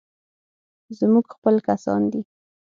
زموږ خپل کسان دي.